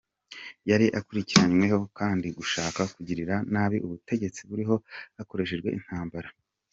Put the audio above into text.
Yari akurikiranyweho kandi gushaka kugirira nabi ubutegetsi buriho hakoreshejwe intambara.